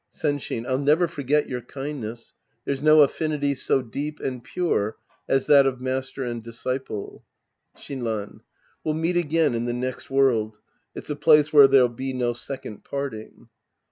Senshln. I'll never forget your kindness. There's no affinity so deep and pure as that of master and disciple. Shinran. We'll meet again in the next world. It's a place where there'll be no second parting.